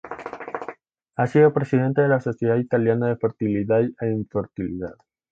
Ha sido presidente de la Sociedad italiana de fertilidad e infertilidad.